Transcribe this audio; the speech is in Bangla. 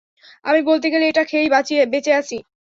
আমি বলতে গেলে এটা খেয়েই বেঁচে আছি।